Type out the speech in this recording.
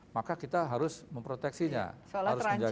maka kita harus memproteksinya harus menjaga